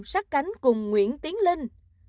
sát cánh cùng nguyễn tiến linh